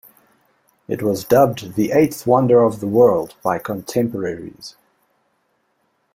It was dubbed the "Eighth Wonder of the World" by contemporaries.